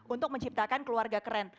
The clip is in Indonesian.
untuk menciptakan keluarga keren